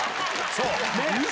そう！